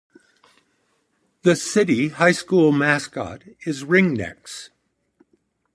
The Hill City High School mascot is Ringnecks.